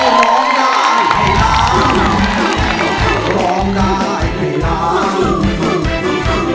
ร้องได้ร้องได้ร้องได้